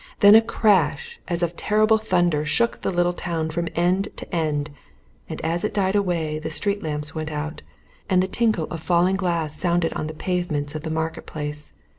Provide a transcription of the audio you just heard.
Then a crash as of terrible thunder shook the little town from end to end, and as it died away the street lamps went out, and the tinkle of falling glass sounded on the pavements of the Market Place.